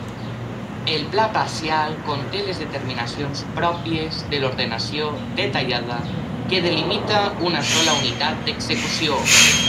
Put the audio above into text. El pla parcial conté les determinacions pròpies de l'ordenació detallada, que delimita una sola unitat d'execució.